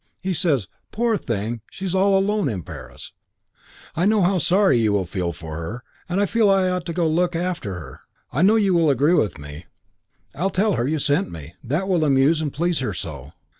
He says, 'Poor thing. She's all alone in Paris. I know how sorry you will feel for her, and I feel I ought to go and look after her. I know you will agree with me. I'll tell her you sent me. That will amuse and please her so.'"